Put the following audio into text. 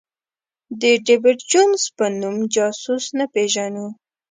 د ډېویډ جونز په نوم جاسوس نه پېژنو.